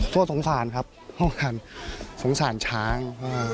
โทษสงสารครับสงสารช้าง